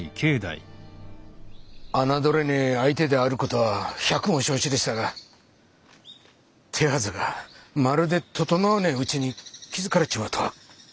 侮れねえ相手である事は百も承知でしたが手はずがまるで調わねえうちに気付かれちまうとは。